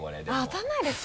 当たらないですか？